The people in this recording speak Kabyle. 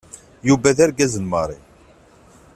Yuba d argaz n Mary.